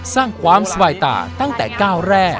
สร้างความสบายตาตั้งแต่ก้าวแร่